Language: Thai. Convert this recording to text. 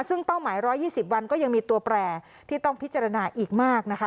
ซึ่งเป้าหมาย๑๒๐วันก็ยังมีตัวแปรที่ต้องพิจารณาอีกมากนะคะ